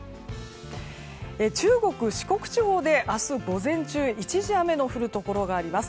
中国・四国地方で明日午前中一時雨の降るところがあります。